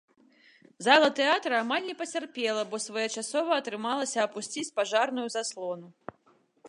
Зала тэатра амаль не пацярпела, бо своечасова атрымалася апусціць пажарную заслону.